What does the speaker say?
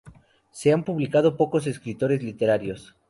Se han publicado pocos escritores literarios.